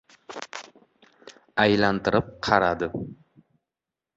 Aylantirib qaradi.